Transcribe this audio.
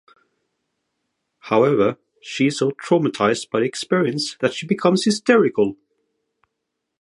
However, she is so traumatised by the experience that she becomes hysterical.